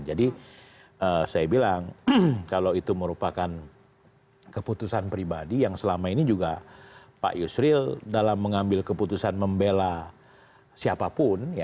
jadi saya bilang kalau itu merupakan keputusan pribadi yang selama ini juga pak yusril dalam mengambil keputusan membela siapapun